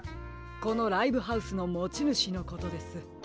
このライブハウスのもちぬしのことです。